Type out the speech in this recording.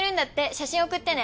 写真送ってね。